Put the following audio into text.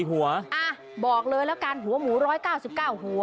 หัวบอกเลยแล้วกันหัวหมู๑๙๙หัว